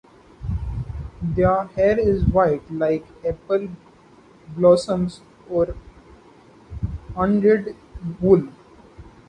Their hair is white, like apple blossoms or undyed wool.